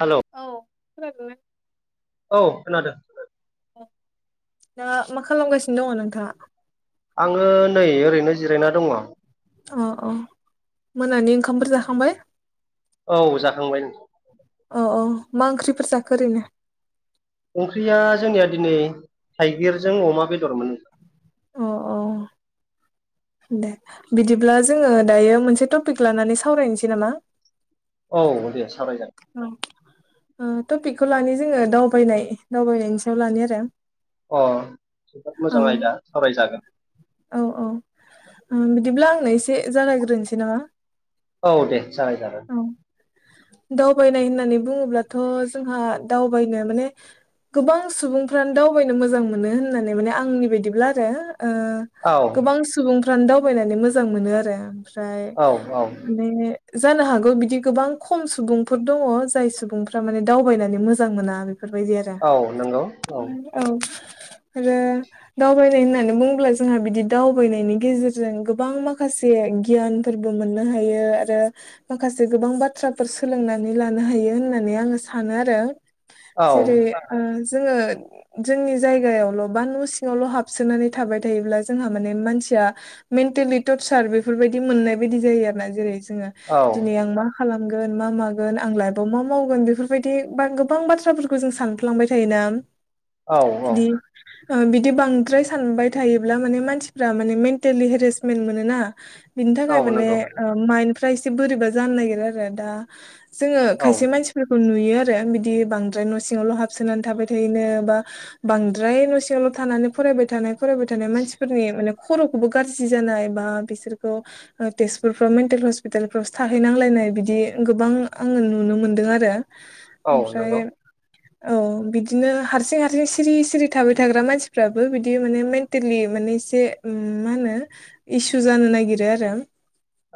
हेल' औ खोनादोंना औ खोनादों दा मा खालामगासिनो दङ नोंथाङा आङो नै ओरैनो जिरायना दङ अ अ मोनानि ओंखामफोर जाखांबाय औ जाखांबाय औ औ मा ओंख्रिफोर जाखो ओरैनो ओंख्रिया जोंनिया दिनै थाइगिरजों अमा बेदरमोन अ अ दे बिदिब्ला जोङो दायो मोनसे टपिक लानानै सावरायनोसै नामा औ दे सावरायजागोन टपिकखौ लानि जोङो दावबायनाय दावबायनायनि सायाव लानि आरो अ जोबोद औ मोजां आयदा सावरायजागोन औ औ बिदिब्ला आंनो एसे जागायग्रोनोसै नामा औ दे जागाय जागोन औ दावबायनाय होननानै बुङोब्लाथ' जोंहा दावबायनो माने गोबां सुबुंफ्रानो दावबायनो मोजां मोनो होननानै माने आंनि बायदिब्ला आरो औ गोबां सुबुंफ्रानो दावबायनानै मोजां मोनो आरो ओमफ्राय औ औ म जानो हागौ बिदि गोबां खम सुबुं फोर दङ जाय सुबुंफ्रा माने दावबायनानै मोजां मोना बेफोरबायदि आरो औ नंगौ औ आरो दावबायनाय होननानै बुङोब्ला जोंहा बिदि दावबायनायनि गेजेरजों गोबां माखासे गियान मोननो हायो आरो माखासे गोबां बाथ्राफोर सोलोंनानै लानो हायो होननानै आङो सानो आरो औ जेरै जोङो जोंनि जायगायावल' बा न' सिङावल' हाबसोनानै थाबाय थायोब्ला जोंहा माने मानसिया मेन्टेलि टरचार बेफोरबायदि मोननाय बायदि जायो आरो ना जेरै जोङो औ दिनै आं मा खालामगोन मा मागोन आं लाइफआव मा मावगोन बेफोरबायदि बा गोबां बाथ्राफोरखौ जों सानफ्लांबाय थायोना औ बिदि बिदि बांद्राय सानबाय थायोब्ला माने मानसिफ्रा माने मेन्टेलि हेरेसमेन्ट मोनोना बिनि औ थाखाय माने नंगौ माइन्दफ्रा एसे बोरैबा जानो नागिरो आरो दा जोङो औ खायसे मानसि खौ नुयो आरो बिदि बांद्राय न' सिङावल' हाबसोनानै थाबाय थायोनो बा बांद्राय न' सिङावल' थानानै फरायबाय थानाय फरायबाय थानाय मानसिफोरनि माने खर'खौबो गाज्रि जानाय बा बिसोरखौ ओ तेजपुराव मेन्टेल हस्पिताल फ्राव सो थाहैनांलायनाय बिदि गोबां आङो नुनो मोनदों आरो औ ओमफ्राय नंगौ औ बिदिनो हारसिं हारसिं सिरि सिरि थाबाय थाग्रा मानसिफ्राबो बिदि माने मेन्टेलि माने एसे उम मा होनो इसु जानो नागिरो आरो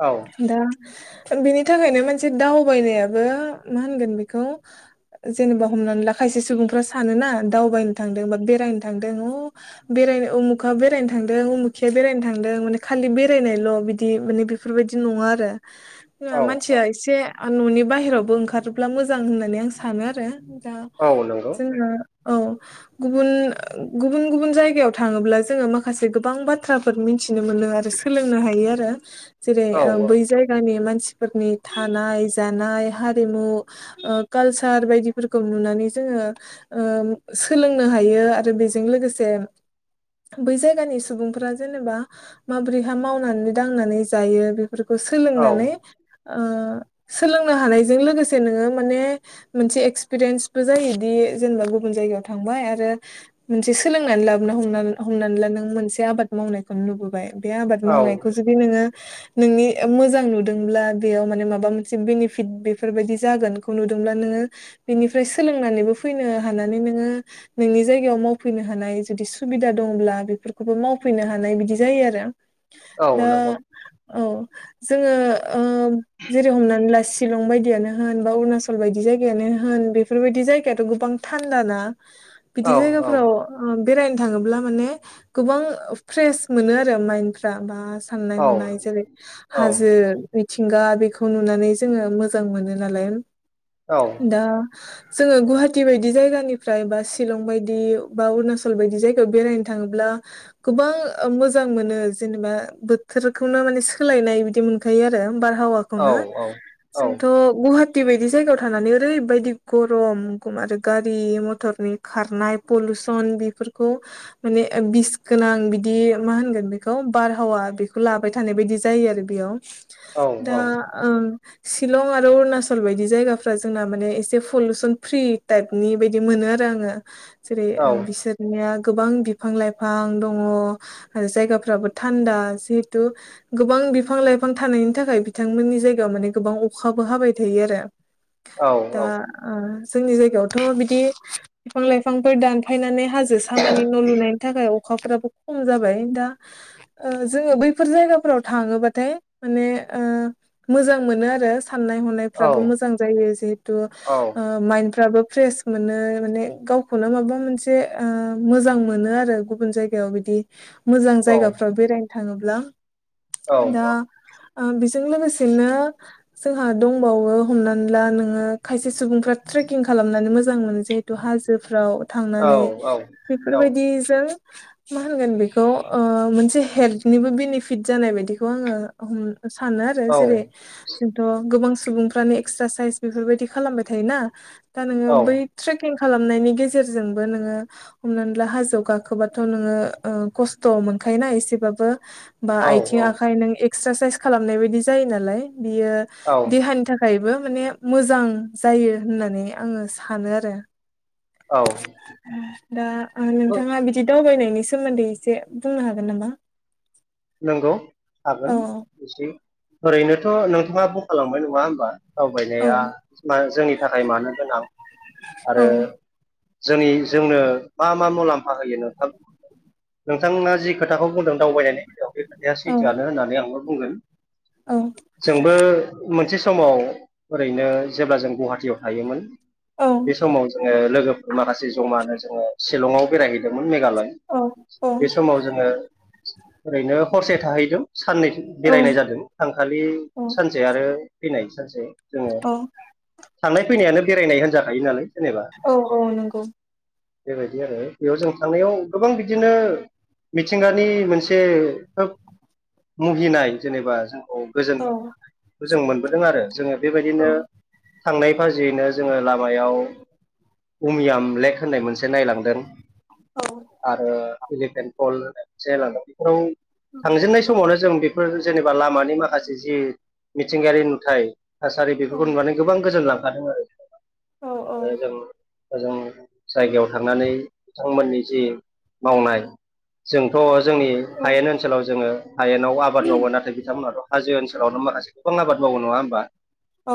औ दा बेनि थाखायनो मोनसे दावबायनायाबो मा होनगोन बेखौ जेनेबा हमनानै ला खायसे सुबुंफ्रा सानोना दावबायनो थांदों बा बेरायनो थांदों बेरायनो उमुखा बेरायनो थांदों उमुखिया बेरायनो थांदों माने खालि बेरायनायल' बिदि माने बे बेफोरबायदि नङा आरो औ औ मानसिया एसे न'नि बाहेरावबो ओंखारोब्ला मोजां होननानै आं सानो आरो दा औ नंगौ जोङो औ गुबुन गुबुन गुबुन जायगायाव थाङोब्ला जोङो माखासे गोबां बाथ्रा फोर मिथिनो मोनो आरो सोलोंनो हायो आरो जेरै औ ओ बै जायगानि मानसिफोरनि थानाय जानाय हारिमु ओ कालसार बायदिफोरखौ नुनानै जोङो ओ सोलोंनो हायो आरो बेजों लोगोसे बै जायगानि सुबुंफोरा जेनेबा माबोरैहख मावनानै दांनानै जायो बे फोरखौ औ सोलोंनानै ओ सोलोंनो हानायजों लोगोसे नोङो माने मोनसे एक्सपिरियेन्सबो जायोदि जेनेबा गुबुन जायगायाव थांबाय आरो मोनसे सोलोंनानै लाबोनो हमनानै-हमनानै ला नों मोनसे आबाद मावनायखौनो नुबोबाय बे आबाद औ मावनायखौ जुदि नोङो नोंनि मोजां नुदोंब्ला बेयाव माने माबा मोनसे बेनिफिट बेफोरबायदि जागोनखौ नुदोंब्ला नोङो बेनिफ्राय सोलोंनानैबो फैनो हानानै नोङो नोंनि जायगायाव मावफैनो हानाय जुदि सुबिदा दंब्ला बेफोरखौबो मावफैनो हानाय बिदि जायो आरो औ दा नंगौ औ जोङो ओ जेरै हमनानै ला शिलं बायदियानो होन बा अरुणाचल बायदि जायगायानो होन बेफोरबायायदि जायगायाथ' गोबां थान्दा ना बिदि औ जायगाफोराव ख बेरायनो थाङोब्ला माने गोबां फ्रेस मोनो आरो माइन्द दा बा साननाय हनाय जेरै औ हाजो मिथि थिंगा बेखौ नुनानै जोङो मोजां मोनो नालाय औ दा जोङो गुवाहाटि बायदि जायगानिफ्राय बा शिलं बायदि बा अरुणाचल बायदि जायगायाव बेरायनो थाङोब्ला गोबां ओ मोजां मोनो जेनेबा बोथोरखौनो माने सोलायनाय बिदि मोनखायो आरो होमबा औ हावाखौनो औ जोंथ' गुहा टि बायदि जायगायाव थानानै ओरैबायदि गरम गम आरो गारि मथरनि खारनाय पलुसन बेफोरखौ माने ओ बिस गोनां बिदि मा होनगोन बेखौ बारहावा बेखौ लाबाय थानाय बायदि जायो आरो बेयाव औ औ दा ओम शिलं आरो अरुणाचल बायदि जायगाफ्रा जोंना माने एसे पलुसन फ्रि टाइप नि बायदि मोनो आरो आङो जेरै औ ओ बिसोर निया गोबां बिफां लाइफां दङ' आरो जायगाफ्राबो थान्दा जिहेथु गोबां बिफां लाइफां थानायनि थाखाय बिथांमोननि जायगायाव माने गोबां अखाबो हाबाय थायो आरो औ दा ओ जोंनि जायगायावथ' बिदि बिफां लाइफां दान फायनानै हाजो सामानि न' लुनायनि थाखाय अखाफोराबो खम जाबाय दा ओ जोङो बैफोर जायगाफोराव थाङोबाथाय माने ओ मोजां मोनो आरो साननाय हनायफ्राबो मोजां जायो जिहेथु ओ ओ माइफ्राबो फ्रेस मोनो माने गावखौनो माबा मोनसे ओ मोजां मोनो आरो गुबन जाय याव बिदि मोजां जायगाफ्राव बेरायनो थाङोब्ला दा ओ जों लोगोसेनो जोंहा दंबावो हमनानै ला नोङो खायसे सुबुंफ्रा ट्रेकिं खालामनानै मोजां मोनो जे बे हाजोफ्राव थांनानै बेफोर बायदिजों मा होनगोन बेखौ ओ मोनसे हेल्थनिबो बेनिफिट जानाय बायदिखौ आङो हमदांस हानो आरो जेरै जोंथ' गोबां सुबुंफ्रानो एक्सारसाइस बेफोरबायदि खालामबाय थायोना दा नोङो बै ट्रेकिं खालामनायनि गेजेरजोंबो नोङो हमनानै ला हाजो गाखोबाथ' नोङो ओ खस्थ' मोनखायोना एसेबाबो बा आइथिं आखाइ नों एक्सारसाइस खालामनाय बायदि जायो नालाय बियो औ औ देहानि था फ्रायबो माने मोजां जायो होननानै आङो सानो आरो। अ दा नोंथाङा बिदि दावबायनायनि सोमोन्दै एसे बुंनो हागोन नामा? नंगौ औ हागोन एसे ओरैनोथ' नोंथाङा बुंखालांबाय नङा होमबा। औ दावबायनाया मा जोंनि थाखाय मानो गोनां औ आरो जोंनि जोंनो मा मा मुलाम्फा होयो नोंथां नोंथांना जि खोथाखौ बुंदों दावबायनायनि बेलायाव बे खोथाया औ सैथोआनो होननानै आंबो बुंगोन। औ जोंबो मोनसे समाव ओरैनो जेब्ला जों गुवाहाटियाव थायोमोन। औ बे समाव जोङो लोगोफोर माखासे जमानो जोङो शिलंआव बेरायहै मेघालय औ बे समाव जोङो ओरैनो हरसे थाहैदों साननै औ बेरायनाय जादों थांखालि सानसे आरो फैनाय सानसे जोङो औ थांनाय फैनायानो बेरायनाय होनजाखायो नालाय। जेनेबा औ औ नंगौ बेबायदि आरो बेयाव जों थांनायाव गोबां बिदिनो मिथिंगानि मोन से खोब मुहिनाय जेनेबा जोंखौ औ नंगौ गोजोनाय जों मोनबोदों आरो जोङो औ बेबायदिनो थांनाय फाजैनो जोङो लामायाव उमियाम लेक होननाय मोनसे नायलांदों। औ आरो इलिफेन फल होननाय मोनसे बेफोराव थांजेननाय समावनो जों बेफोर जेनेबा लामानि माखासे जि मिथिंगायारि नुथाय थासारि औ बेफोरखौ नुनानै गोबां गोजोनलांखादों औ आरो जों ओजों जायगायाव थांनानै बिथांमोननि जि मावनाय जोंथ' जोंनि हायेन ओनसोलाव जोङो हायेनाव आबाद मावो नाथाय बिथांमोनाथ' हाजो ओनसोलावनो माखासे गोबां आबाद मावो नङा होमबा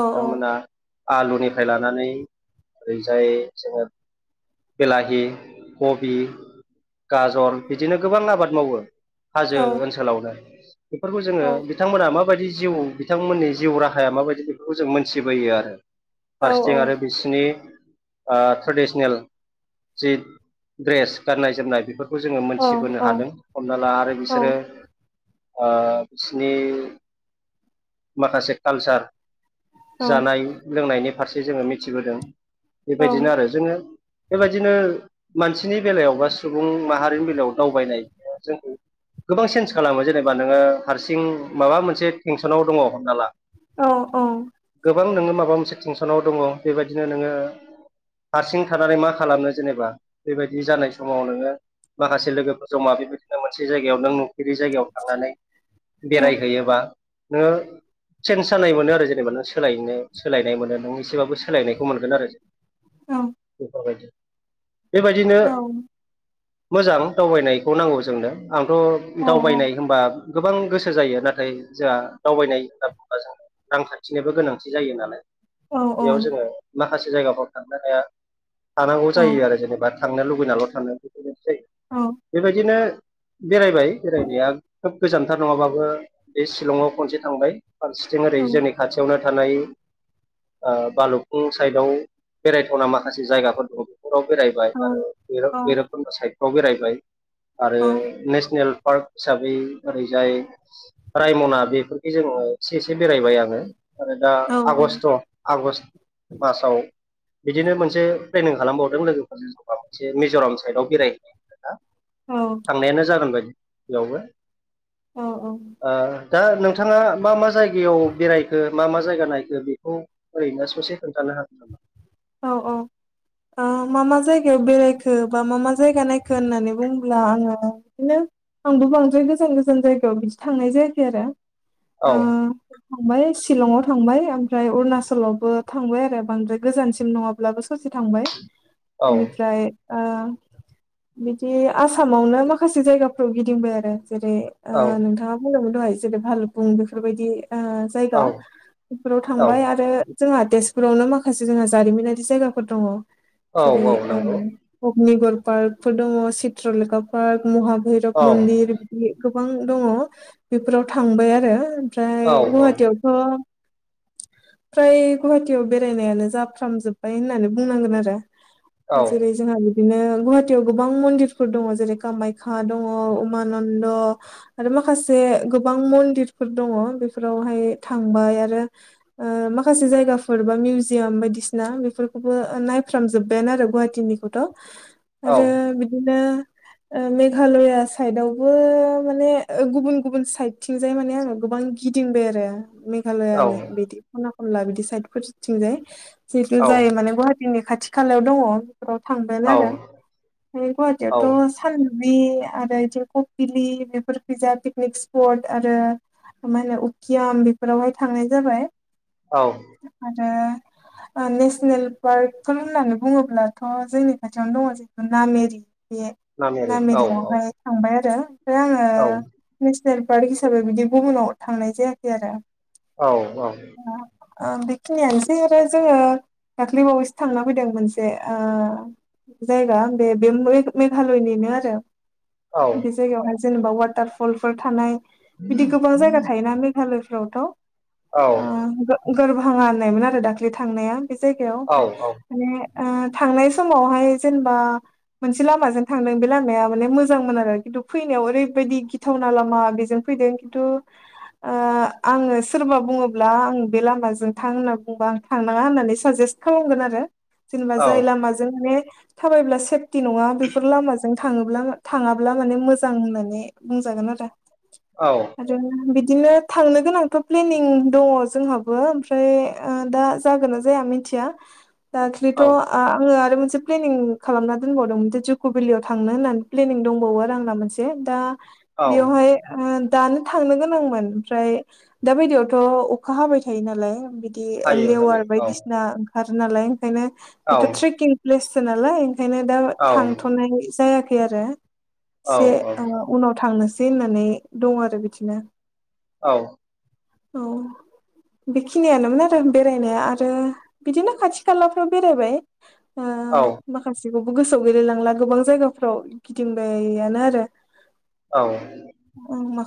ओ औ मोना आलुनिफ्राय लानानै ओरैजाय जोङो बिलाहि कबि गाजर बिदिनो गोबां आबाद मावो। हाजो औ ओनसोलावनो बेफोरखौ जोङो बिथांमोना मा माबायदि जिउ बिथांमोननि जिउ राहाया माबायदि बेफोरखौ जों मोनथिबोयो आरो औ फारसेथिं औ आरो बिसिनि ओ ट्रेडिसनेल जि ड्रेस गाननाय जोमनाय बेफोर खौ जोङो मोनथिबोनो हादों हमना ला आरो बिसोरो ओ बिसिनि माखासे कालसार जानाय लोंनायनि फारसे जोङो मिथिबोदों। बे बायदिनो आरो जोङो बेबायदिनो मानसिनि बेलायाव बा सुबुं माहारिनि बेलायाव दावबायनाय जों गोबां चेन्स खालामो जेनेबा नोङो हारसिं माबा मोनसे टेनसनाव दङ हमना ला गोबां नोङो माबा मोनसे टेंसनाव दङ बेबायदिनो नोङो हारसिं थानानै मा खालामनो जेनेबा बेबायदि जानाय समाव नोङो माखासे लोगोफोरजों जमा बे मोनसे जायगायाव नों नुफेरि जायगायाव थांनानै बेरायहैयोबा नोङो चेन्ज जानाय मोनो आरो जेनेबा नों सोलायनो सोलायनाय मोनो नों एसेबाबो सोलायनायखौ मोनगोन आरो। बेबायदि बेबायदिनो-' मोजां दावबायनायखौ नांगौ जोंनो आंथ दावबायनाय होनबा गोबां गोसो जायो नाथाय जोंहा दावबायनाय होनना बुंब्ला जों रांखान्थिनोबो गोनांथि जायो नालाय बेयाव जोङो माखासे जायगाफोराव थांनो हाया थानांगौ जायो आरो जेनेबा थांनो लुबैनाल थानो बेबायदिनो जायो बेबादिनो बेरायबाय बेरायनाया खोब गोजानथार नङाबाबो बे सिलंआव खनसे थांबाय जों ओरै जोंनि खाथियावनो थानाय ओ बालुफुं साइडआव बेरायथावना माखासे जायगाफोर फोराव बेरायबाय आरो भैरब भैरबकुन्द साइडफ्राव बेरायबाय आरो नेसनेल पार्क हिसाबै ओरैजाय रायमना बेफोरखै जोङो एसे एसे बेरायबाय आङो। आरो दा आगष्ट आगष्ट मासाव बिदिनो मोनसे प्लेनिं खालामबावदों लोगोफोरजों जबा मोनसे मिजराम साइडआव बेरायहै थांनायानो जागोन बायदि बेयावबो औ औ ओ दा नोंथाङा मा मा जायगायाव बेरायखो मा मा जायगा नायखो बेखौ ओरैनो ससे खोनथा ह औ औ। ओ मा मा जायगायाव बेरायखो बा मा मा जायगा नायखो होननानै बुङोब्ला आङो बिदिनो आंबो बांद्राय गोजान गोजान जायगायाव बिदि थांनाय जायाखै आरो। औ। उम थांबाय सिलंआव थांबाय ओमफ्राय अुणचलावबो थांबाय आरो बांद्राय गोजानसि नङाब्लाबो सोरजो थांबाय औ बेनिफ्राय ओ बिदि आसामावनो माखासे जायगाफ्राव गिदिंबाय आरो जेरै ओ औ नोंथाङा बुंदोंमोन दहाय जेरै भालु बुं बेफोरबायदि ओ जायगा औ बेफोराव औ थांबाय आरो जोंहा तेजपुरावनो माखासे जों जारिमिनारि जायगाफोर दङ औ जेरै औ नंगौ ओ अग्निगर पार्कफोर दङ चित्रलेखा पार्क औ महाभैरब मन्दिर दि गोबां दङ बेफोराव थांबाय आरो। ओमफ्राय औ गुवाहाटियावथ फ्राय गुवाहाटियाव बेरायनायानो जा खामजोबबाय होननानै बुंनांगोन आरो जेरै औ जोंहा बिदिनो गुवाहाटियाव गोबां मन्दिरफोर दङ जेरै कामाख्या दङ उमानन्द आरो माखासे गोबां मन्दिरफोर दङ बेफोरावहाय थांबाय आरो'- ओ माखासे जायगाफोर बा मिउजियाम बायदिसि ना बेफोरखौबो नायफ्रामजोब्बायानो आरो गुवाहाटिनिखौथ। आरो बिदिनो ओ मेघालया साइदावबो माने ओ गुबुन गुबुन साइदथिंजाय माने आङो गोबां गिदिंबाय आरो मे औ मेघालयानि बिदि खना खनला बिदि साइदफोर थिंजाय जिथ औ जायो माने गहा जोंनि खाथि खालायाव दङ बेफोराव थांगोन औ आरो औ गुवाहाटियावथ थालबि आरो इथिं कपिलि बेफोर फैजा पिकनिक स्पट आरो मा होनो उकियाम बेफोरावहाय थांनाय जाबाय। औ। आरो नेसनेल पार्कफोर होननानै बुङोब्लाथ' जोंनि खाथियावनो दंङ जेहेथु नामेरि बे नामेरि औ औ नामेरियावहाय थांबाय आरो। आङो औ। नेसनेल पार्क हिसाबै बिदि गुबुनाव थांनाय जायाखै आरो। औ औ। ओ बेखिनियानोसै आरो। जोंङो दाख्लैबावैसो थांना फैदों मोनसे ओ। जायगा बे बे मेघालयनिनो आरो। औ बे जायगायावहाय जेनेबा वाटारफलफोर थानाय। बिदि गोबां जायगा थायोना मेघालयफ्रावथ'ओ घोरबाङा होननायमोन आरो दाख्लै थांनाया बे जायगायाव औ ओमफ्राय माने थांनाय समावहाय जेनेबा मोनसे लामाजों थांदों बे लामाया माने मोजांमोन आरो खिन्थु फैनायाव ओरैबायदि गिथावना लामा बेजों फैदों खिन्थु ओ आंङो सोरबा बुंङोब्ला आं बे लामाजों थां होनना बुंबा आं थांनांङा होननानै साजेस्ट खालामगोन आरो जेनेबा जाय लामाजों माने थाबायब्ला सेफ। सेफथि नंङा बेफोर लामाजों थांङोब्ला थांङाब्ला माने मोजां होननानै बुंजागोन आरो। औ। आरो बिदिनो थांनो गोनांथ' प्लेनिं दङ जोंहाबो ओमफ्राय दा। जागोन ना जाया मिथिया दाख्लैथ'। औ आंङो आरो मोनसे प्लेनिं खालामना दोनबावदों मोनसे जुक' भेलियाव थांनो होननानै प्लेनिं दंबावो आरो आंना मोनसे। दा औ बेयावहाय। दानो थांनो गोनांमोन ओमफ्राय दा बायदियावथ' अखा हाबाय थायो नालाय। बिदि हायो हायो लेवार औ बायदिसिना ओंखारो नालाय ओंखायनो औ बेथ' ट्रेकिं प्लेससो नालाय। ओंखायनो दा औ थांथ'नाय जायाखै आरो। एसे औ उनाव थांनोसै होननानै दं आरो बिदिनो। औ। औ बेखिनियानोमोन आरो बेरायनाया आरो। आरो बिदिनो खाथि खालाफ्राव बेरायबाय। औ माखासेखौबो गोसोआव गैलायलांला गोबां जायगाफ्राव गिदिंबायानो आरो। औ। उम माखौ।